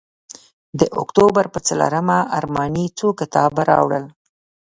د اکتوبر پر څلورمه ارماني څو کتابه راوړل.